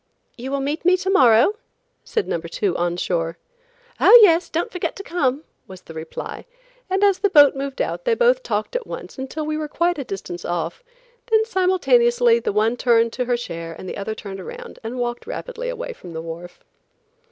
"You will meet me to morrow?" said number two on shore. "Oh yes; don't forget to come," was the reply, and as the boat moved out they both talked at once until we were quite a distance off, then simultaneously the one turned to her chair and the other turned around and walked rapidly away from the wharf.